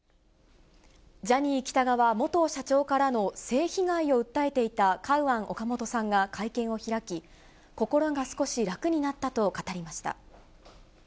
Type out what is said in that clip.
ジャニー喜多川元社長からの性被害を訴えていたカウアン・オカモトさんが会見を開き、心が少し楽になったと語りました。